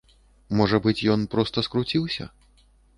Можа быць, ён проста скруціўся?